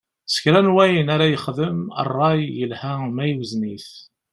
Si kra n wayen ara yexdem, ṛṛay, yelha ma iwzen-it.